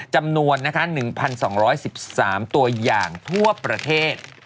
จำนวน๑๒๑๓ตัวอย่างทั่วประเทศ